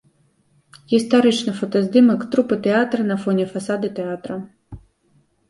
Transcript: Гістарычны фотаздымак трупы тэатра на фоне фасада тэатра.